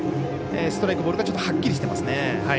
ストライク、ボールがはっきりしてますね。